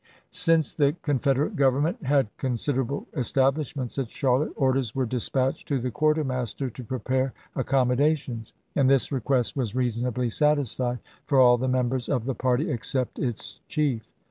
Since the Confederate Government had consid erable establishments at Charlotte, orders were dispatched to the quartermaster to prepare ac commodations; and this request was reasonably satisfied for all the members of the party except its chief.